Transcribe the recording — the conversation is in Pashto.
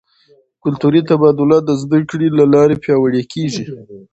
کلتوري تبادله د زده کړې له لارې پیاوړې کیږي.